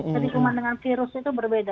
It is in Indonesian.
jadi kuman dengan virus itu berbeda